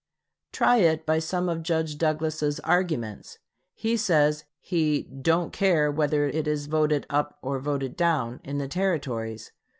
Try it by some of Judge Douglas's arguments. He says he "don't care whether it is voted up or voted down" in the Territories.